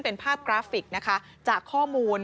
เป็นภาพกราฟิกนะคะจากข้อมูล